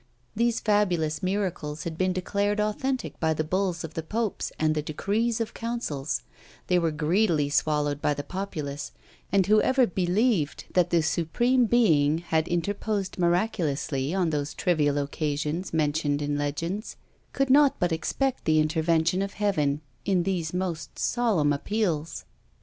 These fabulous miracles had been declared authentic by the bulls of the popes and the decrees of councils; they were greedily swallowed by the populace; and whoever believed that the Supreme Being had interposed miraculously on those trivial occasions mentioned in legends, could not but expect the intervention of Heaven in these most solemn appeals.